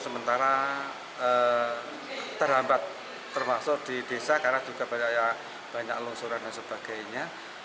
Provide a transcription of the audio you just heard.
sementara terhambat termasuk di desa karena juga banyak longsoran dan sebagainya